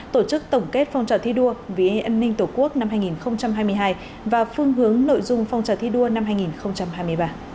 tổ chức tổng kết phong trào thi đua vì an ninh tổ quốc năm hai nghìn hai mươi hai và phương hướng nội dung phong trào thi đua năm hai nghìn hai mươi ba